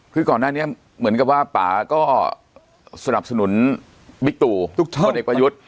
คือก่อนหน้านี้เหมือนกับว่าป่าก็สนับสนุนบิ๊กตู่พลเอกประยุทธ์